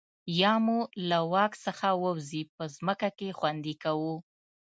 یا مو له واک څخه ووځي په ځمکه کې خوندي کوو.